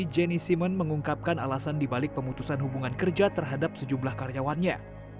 jenny simon mengungkapkan alasan dibalik pemutusan hubungan kerja terhadap sejumlah karyawannya